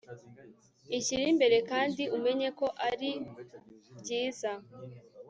ishyire imbere kandi umenye ko ari byiza